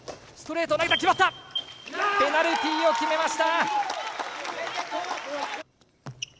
ペナルティーを決めました！